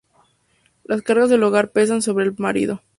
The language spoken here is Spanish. Las cargas del hogar pesan sobre el marido.